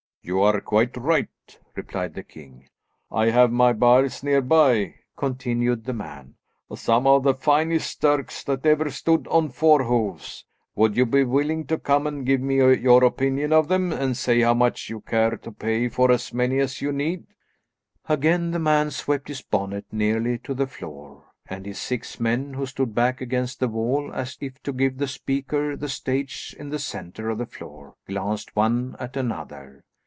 "You are quite right," replied the king. "I have in my byres near by," continued the man, "some of the finest stirks that ever stood on four hoofs. Would you be willing to come and give me your opinion of them, and say how much you care to pay for as many as you need?" Again the man swept his bonnet nearly to the floor, and his six men, who stood back against the wall, as if to give the speaker the stage in the centre of the floor, glanced one at another.